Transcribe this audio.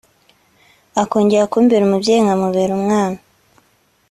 akongera kumbera umubyeyi nkamubera umwana